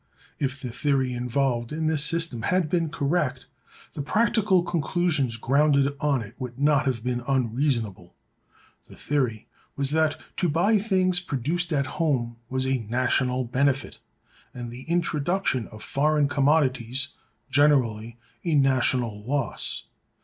If the theory involved in this system had been correct, the practical conclusions grounded on it would not have been unreasonable. The theory was that, to buy things produced at home was a national benefit, and the introduction of foreign commodities generally a national loss.